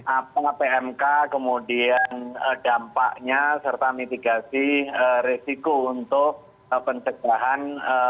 apakah pmk kemudian dampaknya serta mitigasi risiko untuk pencegahan